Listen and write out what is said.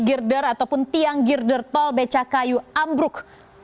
girder ataupun tiang girder tol becakayu ambruk